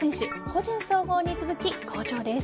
個人総合に続き、好調です。